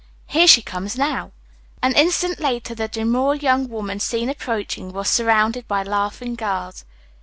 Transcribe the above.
"Here she comes now." An instant later the demure young woman seen approaching was surrounded by laughing girls.